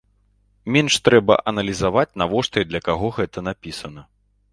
Менш трэба аналізаваць, навошта і для каго гэта напісана.